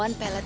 ya udah yuk